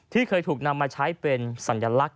ที่เคยถูกนำมาใช้เป็นสัญลักษณ